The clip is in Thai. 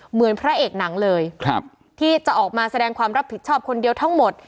เหมือนพระเอกหนังเลยที่จะออกมาแสดงความรับผิดชอบคนเดียวทั้งหมด